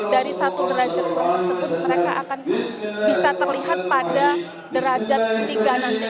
dari satu derajat kura tersebut mereka akan bisa terlihat pada derajat tiga nanti